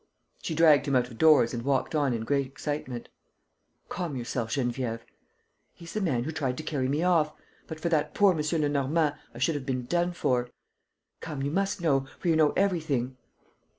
She dragged him out of doors and walked on in great excitement. "Calm yourself, Geneviève. ..." "He's the man who tried to carry me off. ... But for that poor M. Lenormand, I should have been done for. ... Come, you must know, for you know everything.